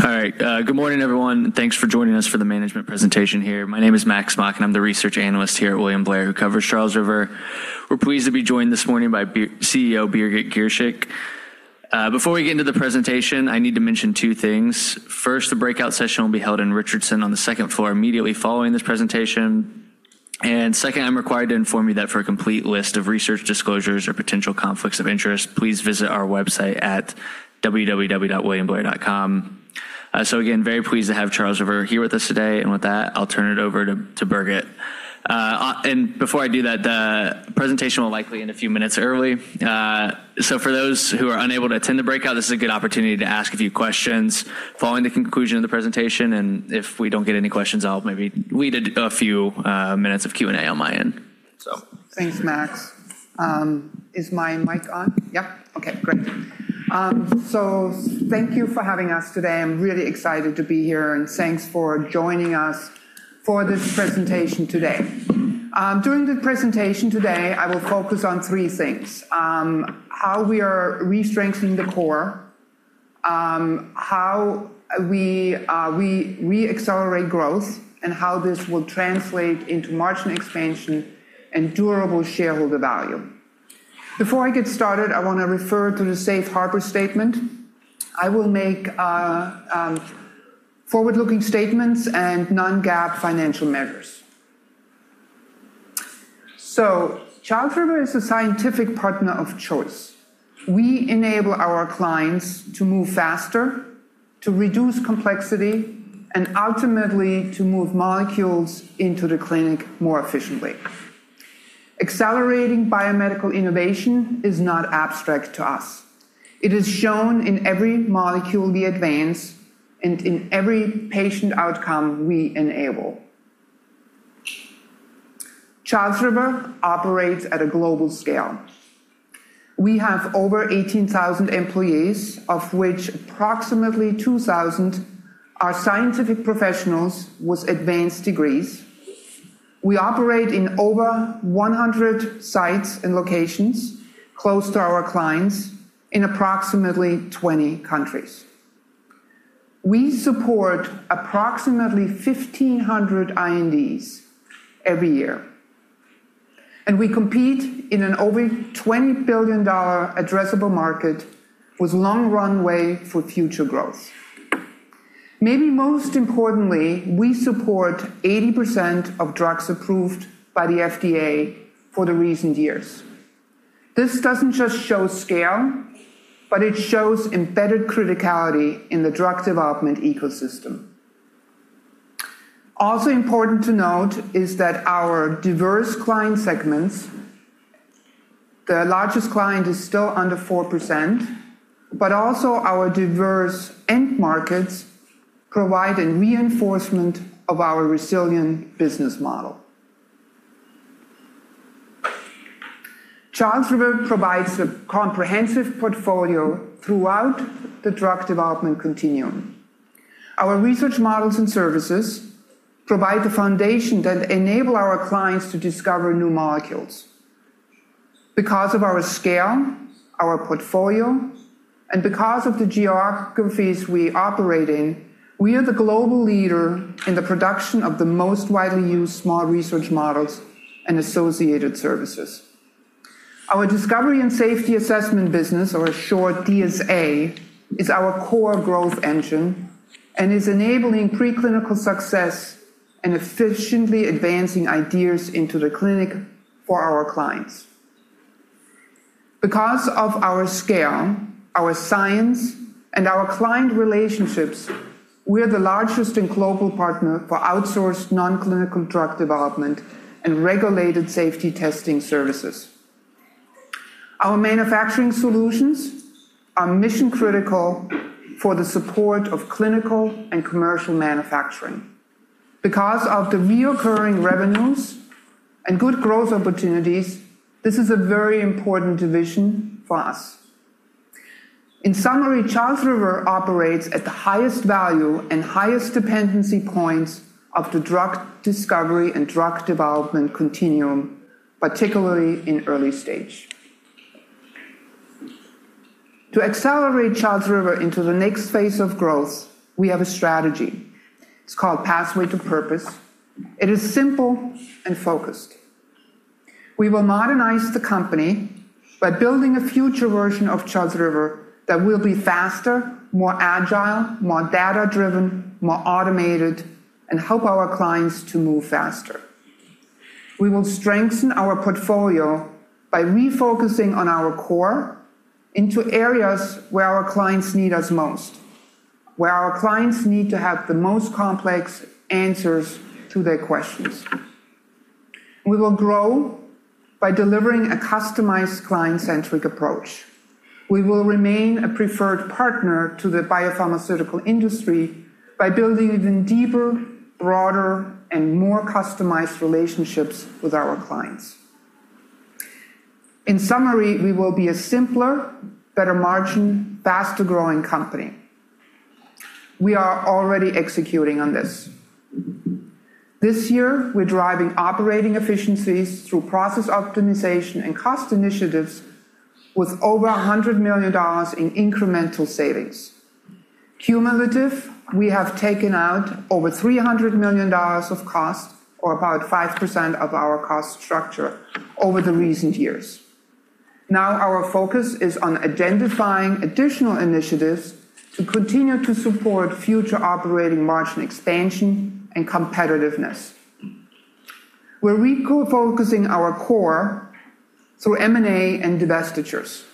All right. Good morning, everyone. Thanks for joining us for the management presentation here. My name is Max Smock, and I'm the research analyst here at William Blair, who covers Charles River. We're pleased to be joined this morning by CEO Birgit Girshick. Before we get into the presentation, I need to mention two things. First, the breakout session will be held in Richardson on the second floor immediately following this presentation. Second, I'm required to inform you that for a complete list of research disclosures or potential conflicts of interest, please visit our website at www.williamblair.com. Again, very pleased to have Charles River here with us today. With that, I'll turn it over to Birgit. Before I do that, the presentation will likely end a few minutes early. For those who are unable to attend the breakout, this is a good opportunity to ask a few questions following the conclusion of the presentation. If we don't get any questions, I'll maybe lead a few minutes of Q&A on my end. Thanks, Max. Is my mic on? Yeah. Okay, great. Thank you for having us today. I am really excited to be here, and thanks for joining us for this presentation today. During the presentation today, I will focus on three things: how we are re-strengthening the core, how we re-accelerate growth, and how this will translate into margin expansion and durable shareholder value. Before I get started, I want to refer to the safe harbor statement. I will make forward-looking statements and non-GAAP financial measures. Charles River is a scientific partner of choice. We enable our clients to move faster, to reduce complexity, and ultimately to move molecules into the clinic more efficiently. Accelerating biomedical innovation is not abstract to us. It is shown in every molecule we advance and in every patient outcome we enable. Charles River operates at a global scale. We have over 18,000 employees, of which approximately 2,000 are scientific professionals with advanced degrees. We operate in over 100 sites and locations close to our clients in approximately 20 countries. We support approximately 1,500 INDs every year. We compete in an over $20 billion addressable market with long runway for future growth. Maybe most importantly, we support 80% of drugs approved by the FDA for the recent years. This doesn't just show scale, but it shows embedded criticality in the drug development ecosystem. Also important to note is that our diverse client segments, the largest client is still under 4%, but also our diverse end markets provide a reinforcement of our resilient business model. Charles River provides a comprehensive portfolio throughout the drug development continuum. Our research models and services provide the foundation that enable our clients to discover new molecules. Because of our scale, our portfolio, and because of the geographies we operate in, we are the global leader in the production of the most widely used small research models and associated services. Our discovery and safety assessment business, or short DSA, is our core growth engine and is enabling preclinical success and efficiently advancing ideas into the clinic for our clients. Because of our scale, our science, and our client relationships, we are the largest and global partner for outsourced non-clinical drug development and regulated safety testing services. Our manufacturing solutions are mission-critical for the support of clinical and commercial manufacturing. Because of the recurring revenues and good growth opportunities, this is a very important division for us. In summary, Charles River operates at the highest value and highest dependency points of the drug discovery and drug development continuum, particularly in early stage. To accelerate Charles River into the next phase of growth, we have a strategy. It's called Pathway to Purpose. It is simple and focused. We will modernize the company by building a future version of Charles River that will be faster, more agile, more data-driven, more automated, and help our clients to move faster. We will strengthen our portfolio by refocusing on our core into areas where our clients need us most, where our clients need to have the most complex answers to their questions. We will grow by delivering a customized client-centric approach. We will remain a preferred partner to the biopharmaceutical industry by building even deeper, broader, and more customized relationships with our clients. In summary, we will be a simpler, better margin, faster-growing company. We are already executing on this. This year, we're driving operating efficiencies through process optimization and cost initiatives with over $100 million in incremental savings. Cumulative, we have taken out over $300 million of cost, or about 5% of our cost structure over the recent years. Our focus is on identifying additional initiatives to continue to support future operating margin expansion and competitiveness. We're refocusing our core through M&A and divestitures.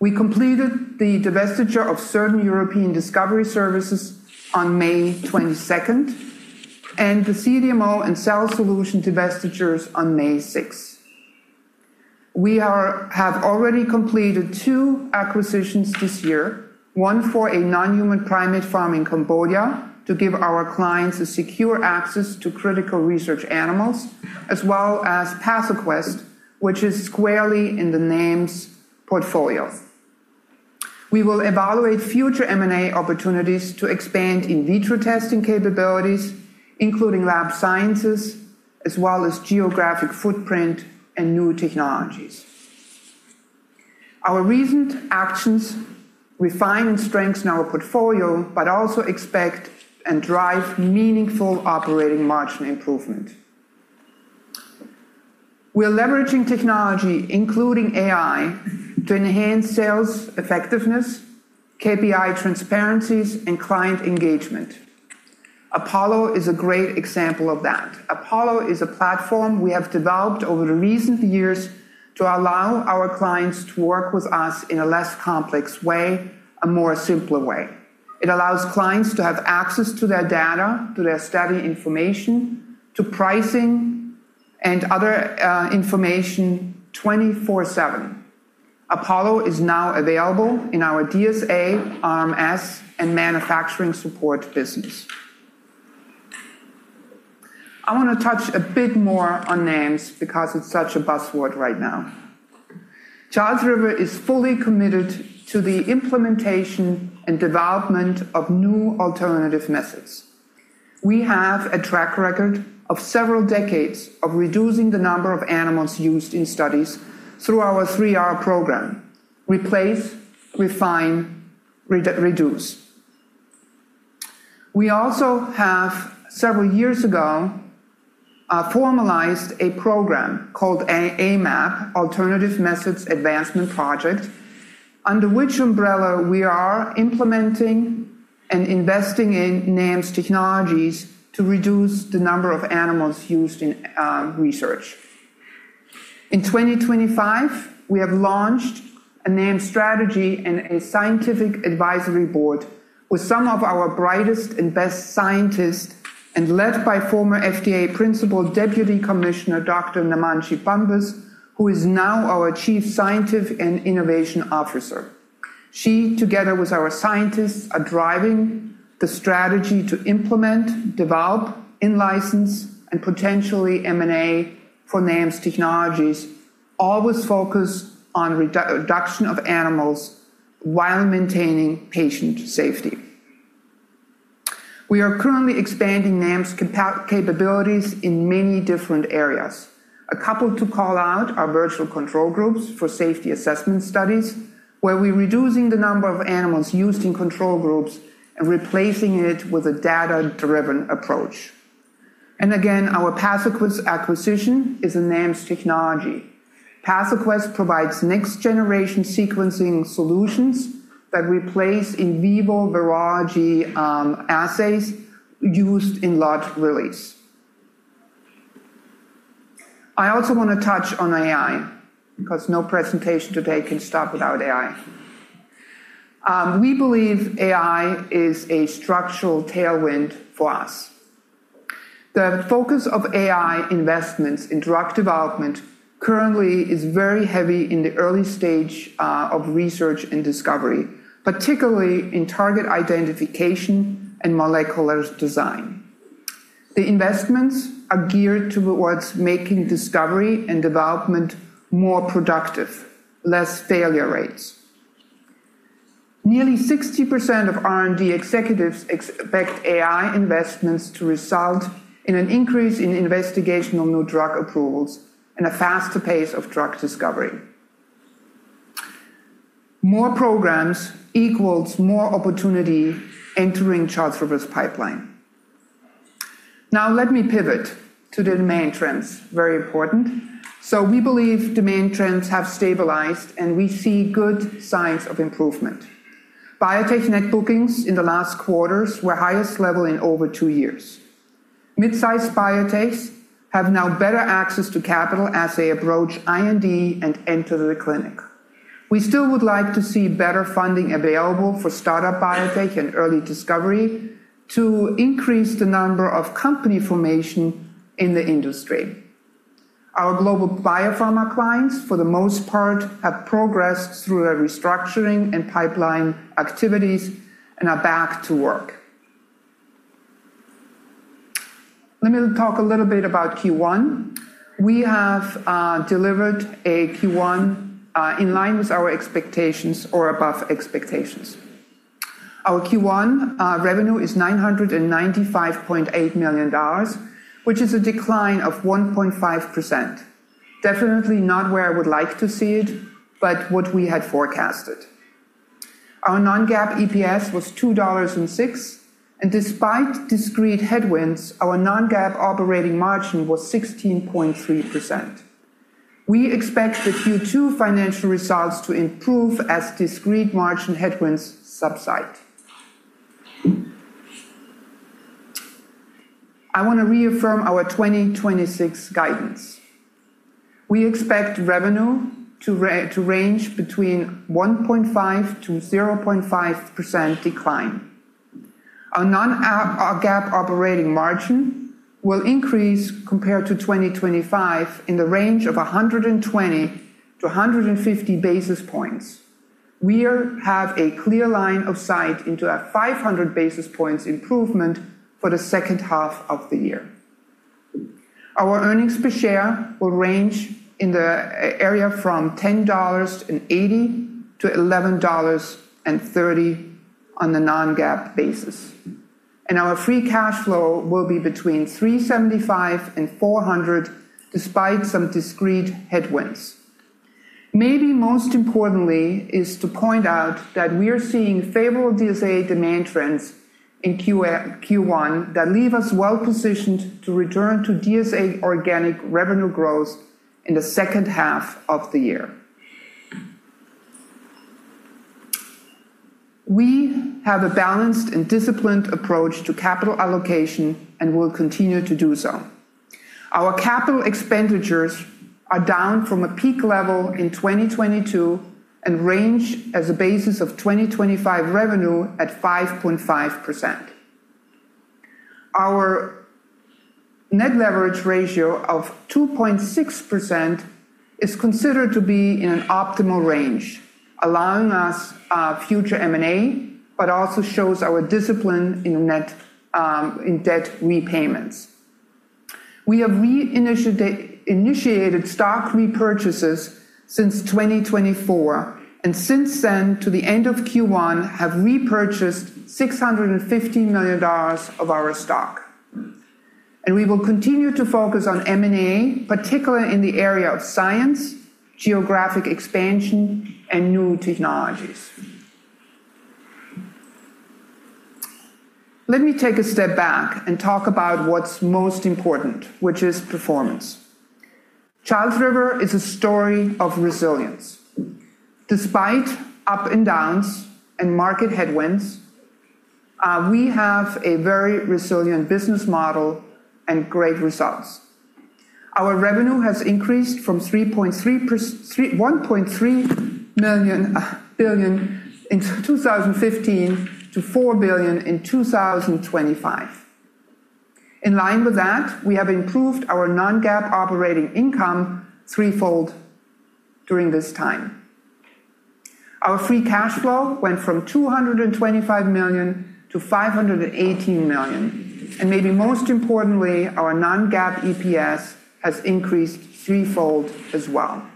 We completed the divestiture of certain European discovery services on May 22nd, and the CDMO and Cell Solutions divestitures on May 6th. We have already completed two acquisitions this year, one for a non-human primate farm in Cambodia to give our clients a secure access to critical research animals, as well as PathoQuest, which is squarely in the NAMs portfolio. We will evaluate future M&A opportunities to expand in vitro testing capabilities, including Lab Sciences, as well as geographic footprint and new technologies. Our recent actions refine and strengthen our portfolio, but also expect and drive meaningful operating margin improvement. We're leveraging technology, including AI, to enhance sales effectiveness, KPI transparencies, and client engagement. Apollo is a great example of that. Apollo is a platform we have developed over the recent years to allow our clients to work with us in a less complex way, a more simpler way. It allows clients to have access to their data, to their study information, to pricing, and other information 24/7. Apollo is now available in our DSA, RMS, and Manufacturing Support business. I want to touch a bit more on NAMs because it's such a buzzword right now. Charles River is fully committed to the implementation and development of new alternative methods. We have a track record of several decades of reducing the number of animals used in studies through our 3R program: replace, refine, reduce. We also have, several years ago, formalized a program called AMAP, Alternative Methods Advancement Project, under which umbrella we are implementing and investing in NAMs technologies to reduce the number of animals used in research. In 2025, we have launched a NAMs strategy and a scientific advisory board with some of our brightest and best scientists and led by former FDA Principal Deputy Commissioner, Dr. Namandjé Bumpus, who is now our Chief Scientific and Innovation Officer. She, together with our scientists, are driving the strategy to implement, develop, in-license, and potentially M&A for NAMs technologies, always focused on reduction of animals while maintaining patient safety. We are currently expanding NAMs capabilities in many different areas. A couple to call out are virtual control groups for safety assessment studies, where we're reducing the number of animals used in control groups and replacing it with a data-driven approach. Again, our PathoQuest acquisition is a NAMs technology. PathoQuest provides next-generation sequencing solutions that replace in vivo virology assays used in lot release. I also want to touch on AI, because no presentation today can start without AI. We believe AI is a structural tailwind for us. The focus of AI investments in drug development currently is very heavy in the early stage of research and discovery, particularly in target identification and molecular design. The investments are geared towards making discovery and development more productive, less failure rates. Nearly 60% of R&D executives expect AI investments to result in an increase in investigational new drug approvals and a faster pace of drug discovery. More programs equals more opportunity entering Charles River's pipeline. Let me pivot to the demand trends. Very important. We believe demand trends have stabilized, and we see good signs of improvement. Biotech net bookings in the last quarters were highest level in over two years. Mid-size biotechs have now better access to capital as they approach IND and enter the clinic. We still would like to see better funding available for startup biotech and early discovery to increase the number of company formation in the industry. Our global biopharma clients, for the most part, have progressed through a restructuring and pipeline activities and are back to work. Let me talk a little bit about Q1. We have delivered a Q1 in line with our expectations or above expectations. Our Q1 revenue is $995.8 million, which is a decline of 1.5%. Definitely not where I would like to see it, but what we had forecasted. Our non-GAAP EPS was $2.06, and despite discrete headwinds, our non-GAAP operating margin was 16.3%. We expect the Q2 financial results to improve as discrete margin headwinds subside. I want to reaffirm our 2026 guidance. We expect revenue to range between 1.5%-0.5% decline. Our non-GAAP operating margin will increase compared to 2025 in the range of 120-150 basis points. We have a clear line of sight into a 500 basis points improvement for the second half of the year. Our earnings per share will range in the area from $10.80-$11.30 on the non-GAAP basis. Our free cash flow will be between $375 million and $400 million, despite some discrete headwinds. Maybe most importantly is to point out that we're seeing favorable DSA demand trends in Q1 that leave us well-positioned to return to DSA organic revenue growth in the second half of the year. We have a balanced and disciplined approach to capital allocation and will continue to do so. Our capital expenditures are down from a peak level in 2022 and range as a basis of 2025 revenue at 5.5%. Our net leverage ratio of 2.6x is considered to be in an optimal range, allowing us future M&A, but also shows our discipline in debt repayments. We have re-initiated stock repurchases since 2024, and since then, to the end of Q1, have repurchased $650 million of our stock. We will continue to focus on M&A, particularly in the area of science, geographic expansion, and new technologies. Let me take a step back and talk about what's most important, which is performance. Charles River is a story of resilience. Despite up and downs and market headwinds, we have a very resilient business model and great results. Our revenue has increased from $1.3 billion in 2015 to $4 billion in 2025. In line with that, we have improved our non-GAAP operating income 3-fold during this time. Our free cash flow went from $225 million to $518 million, and maybe most importantly, our non-GAAP EPS has increased 3-fold as well.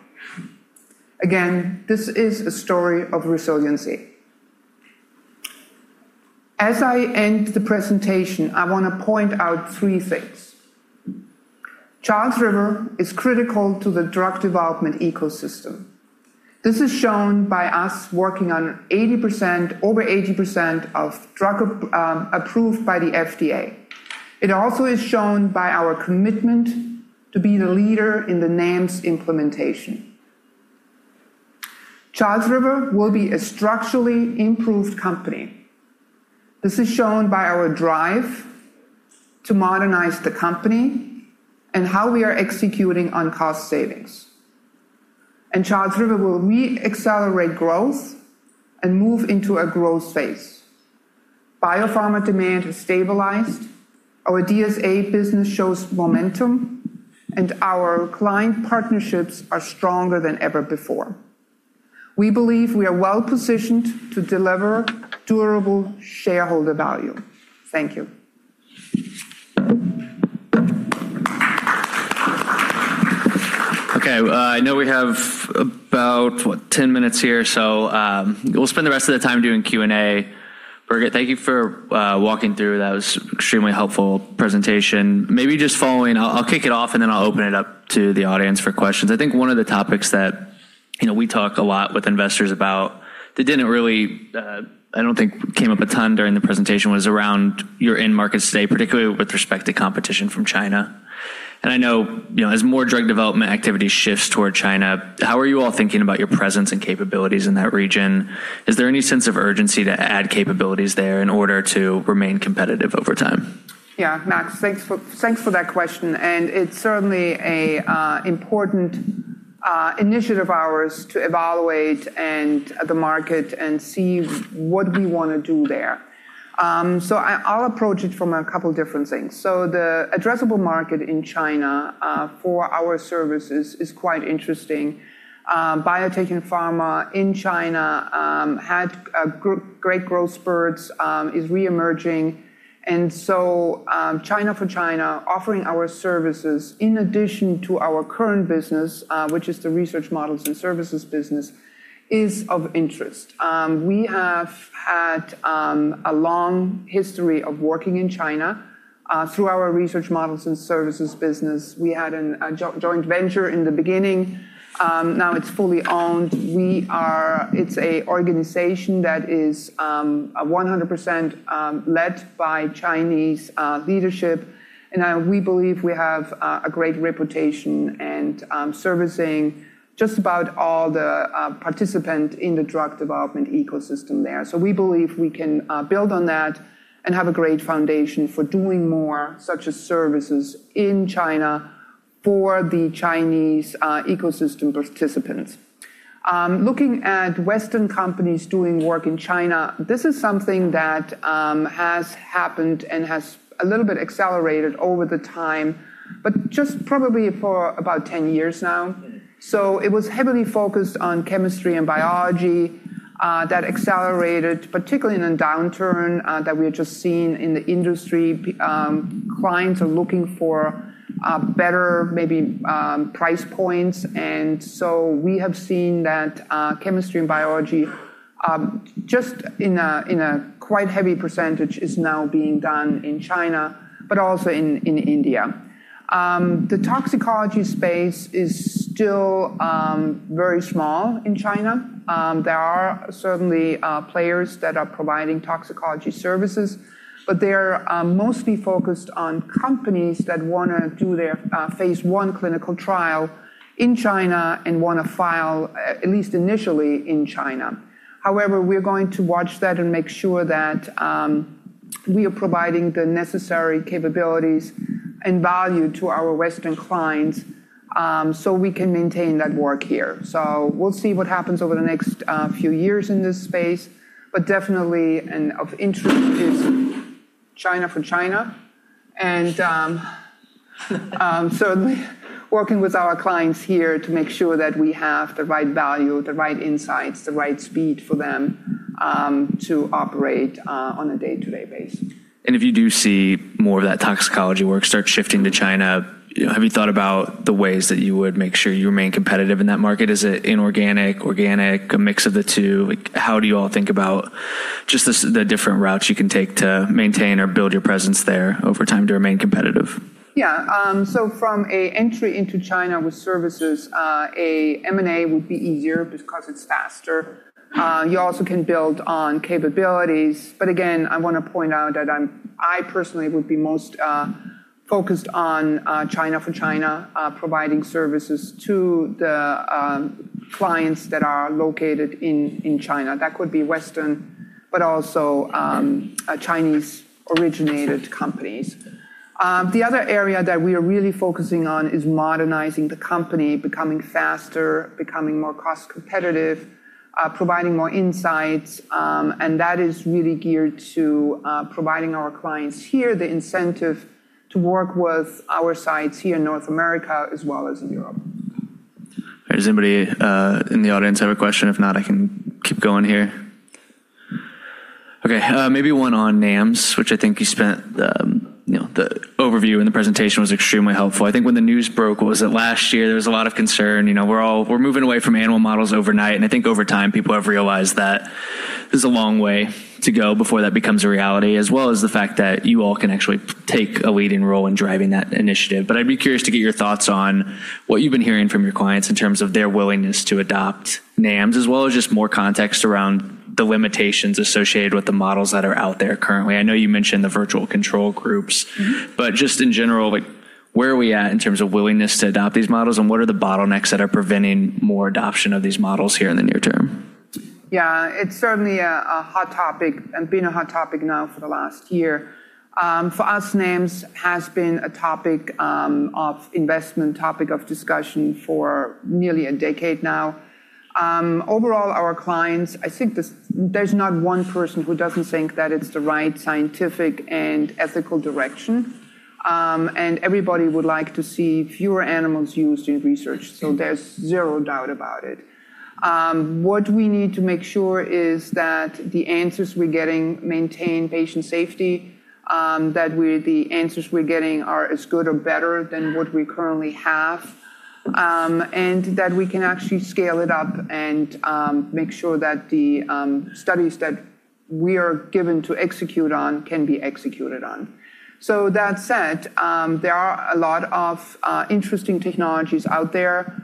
Again, this is a story of resiliency. As I end the presentation, I want to point out three things. Charles River is critical to the drug development ecosystem. This is shown by us working on over 80% of drug approved by the FDA. It also is shown by our commitment to be the leader in the NAMs implementation. Charles River will be a structurally improved company. This is shown by our drive to modernize the company and how we are executing on cost savings. Charles River will re-accelerate growth and move into a growth phase. Biopharma demand has stabilized. Our DSA business shows momentum, and our client partnerships are stronger than ever before. We believe we are well-positioned to deliver durable shareholder value. Thank you. I know we have about 10 minutes here. We'll spend the rest of the time doing Q&A. Birgit, thank you for walking through. That was extremely helpful presentation. Maybe just following, I'll kick it off, and then I'll open it up to the audience for questions. I think one of the topics that we talk a lot with investors about that didn't really, I don't think came up a ton during the presentation was around your end markets today, particularly with respect to competition from China. I know, as more drug development activity shifts toward China, how are you all thinking about your presence and capabilities in that region? Is there any sense of urgency to add capabilities there in order to remain competitive over time? Max, thanks for that question, it's certainly a important initiative of ours to evaluate the market and see what we want to do there. I'll approach it from a couple different things. The addressable market in China, for our services is quite interesting. Biotech and pharma in China had great growth spurts, is reemerging. China for China offering our services in addition to our current business, which is the Research Models and Services business, is of interest. We have had a long history of working in China, through our Research Models and Services business. We had a joint venture in the beginning, now it's fully owned. It's an organization that is 100% led by Chinese leadership. We believe we have a great reputation and servicing just about all the participants in the drug development ecosystem there. We believe we can build on that and have a great foundation for doing more, such as services in China for the Chinese ecosystem participants. Looking at Western companies doing work in China, this is something that has happened and has a little bit accelerated over time, but just probably for about 10 years now. It was heavily focused on chemistry and biology that accelerated, particularly in a downturn that we have just seen in the industry. Clients are looking for better maybe price points. We have seen that chemistry and biology just in the quite heavy percentage is now being done in China but also in India. The toxicology space is still very small in China. There are certainly players that are providing toxicology services, but they're mostly focused on companies that want to do their phase I clinical trial in China and want to file at least initially in China. However, we're going to watch that and make sure that we are providing the necessary capabilities and value to our Western clients, so we can maintain that work here. We'll see what happens over the next few years in this space. Definitely and of interest is China for China and certainly working with our clients here to make sure that we have the right value, the right insights, the right speed for them to operate on a day-to-day basis. If you do see more of that toxicology work start shifting to China, have you thought about the ways that you would make sure you remain competitive in that market? Is it inorganic, organic, a mix of the two? How do you all think about just the different routes you can take to maintain or build your presence there over time to remain competitive? Yeah. From an entry into China with services, M&A would be easier because it's faster. You also can build on capabilities. Again, I want to point out that I personally would be most focused on China for China, providing services to the clients that are located in China. That could be Western, but also Chinese-originated companies. The other area that we are really focusing on is modernizing the company, becoming faster, becoming more cost-competitive, providing more insights. That is really geared to providing our clients here the incentive to work with our sites here in North America as well as in Europe. Does anybody in the audience have a question? If not, I can keep going here. Okay. Maybe one on NAMs, which I think you spent the overview in the presentation was extremely helpful. I think when the news broke, was it last year? There was a lot of concern. We're moving away from animal models overnight, and I think over time people have realized that there's a long way to go before that becomes a reality, as well as the fact that you all can actually take a leading role in driving that initiative. I'd be curious to get your thoughts on what you've been hearing from your clients in terms of their willingness to adopt NAMs, as well as just more context around the limitations associated with the models that are out there currently. I know you mentioned the virtual control groups. Just in general, where are we at in terms of willingness to adopt these models, and what are the bottlenecks that are preventing more adoption of these models here in the near term? It's certainly a hot topic and been a hot topic now for the last year. For us, NAMs has been a topic of investment, topic of discussion for nearly a decade now. Overall, our clients, I think there's not one person who doesn't think that it's the right scientific and ethical direction. Everybody would like to see fewer animals used in research, so there's zero doubt about it. What we need to make sure is that the answers we're getting maintain patient safety, that the answers we're getting are as good or better than what we currently have, and that we can actually scale it up and make sure that the studies that we are given to execute on can be executed on. That said, there are a lot of interesting technologies out there.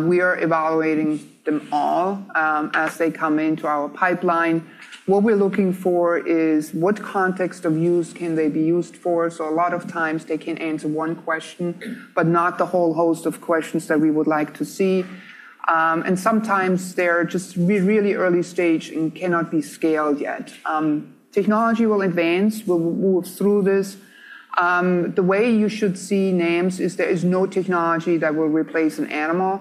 We are evaluating them all as they come into our pipeline. What we're looking for is what context of use can they be used for. A lot of times they can answer one question, but not the whole host of questions that we would like to see. Sometimes they're just really early stage and cannot be scaled yet. Technology will advance. We'll move through this. The way you should see NAMs is there is no technology that will replace an animal.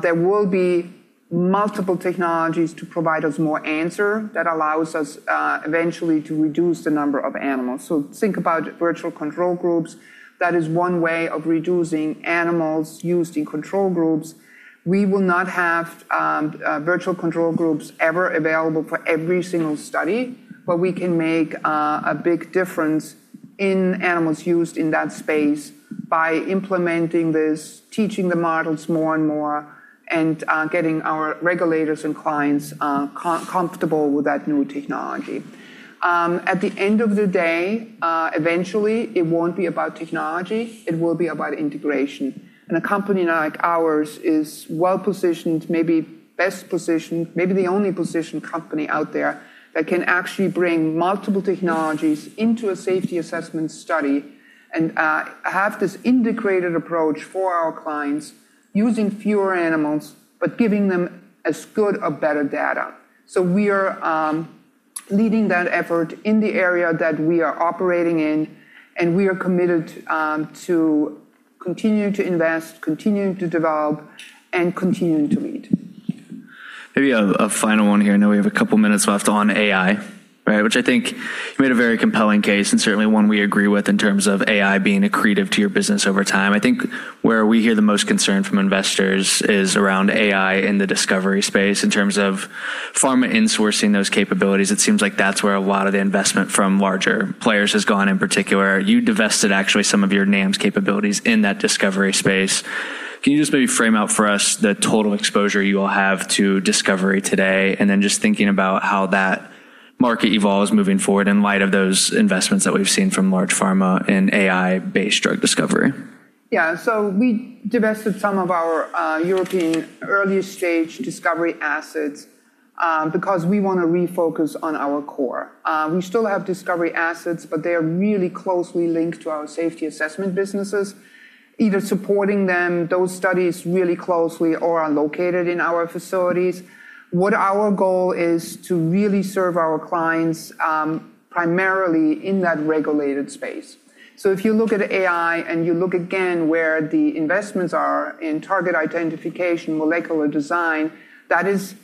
There will be multiple technologies to provide us more answer that allows us eventually to reduce the number of animals. Think about virtual control groups. That is one way of reducing animals used in control groups. We will not have virtual control groups ever available for every single study, but we can make a big difference in animals used in that space by implementing this, teaching the models more and more, and getting our regulators and clients comfortable with that new technology. At the end of the day, eventually, it won't be about technology, it will be about integration. A company like ours is well-positioned, maybe best positioned, maybe the only positioned company out there, that can actually bring multiple technologies into a safety assessment study and have this integrated approach for our clients using fewer animals, but giving them as good or better data. We are leading that effort in the area that we are operating in, and we are committed to continue to invest, continue to develop, and continue to lead. Maybe a final one here. I know we have a couple of minutes left on AI, which I think you made a very compelling case, and certainly one we agree with in terms of AI being accretive to your business over time. I think where we hear the most concern from investors is around AI in the discovery space in terms of pharma insourcing those capabilities. It seems like that's where a lot of the investment from larger players has gone, in particular. You divested actually some of your NAMs capabilities in that discovery space. Can you just maybe frame out for us the total exposure you all have to discovery today, and then just thinking about how that market evolves moving forward in light of those investments that we've seen from large pharma and AI-based drug discovery? Yeah. We divested some of our European early-stage discovery assets because we want to refocus on our core. We still have discovery assets, they are really closely linked to our safety assessment businesses, either supporting them, those studies really closely or are located in our facilities. What our goal is to really serve our clients, primarily in that regulated space. If you look at AI and you look again where the investments are in target identification, molecular design, that is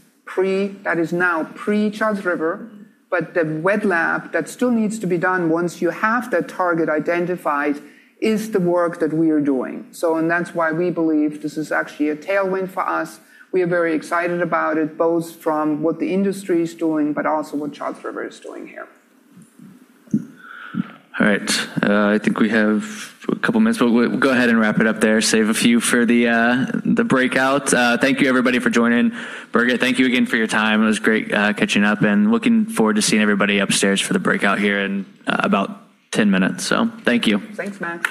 now pre-Charles River, but the wet lab, that still needs to be done once you have that target identified, is the work that we are doing. That's why we believe this is actually a tailwind for us. We are very excited about it, both from what the industry is doing, but also what Charles River is doing here. All right. I think we have a couple of minutes. We'll go ahead and wrap it up there. Save a few for the breakout. Thank you everybody for joining. Birgit, thank you again for your time. It was great catching up and looking forward to seeing everybody upstairs for the breakout here in about 10 minutes. Thank you. Thanks, Max.